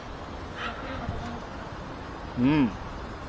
うん。